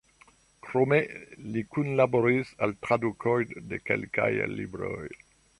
Krome li kunlaboris al tradukoj de kelkaj libroj.